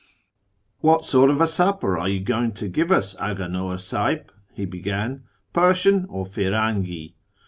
" What sort of a supper are you going to give us, Aganor Sahib ?" he began ;" Persian or Firangi